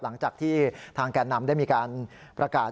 หลังจากที่ทางแก่นำได้มีการประกาศ